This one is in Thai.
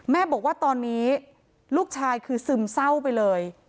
แม่บอกว่าตอนนี้ลูกชายคือซึมเศร้าไปเลย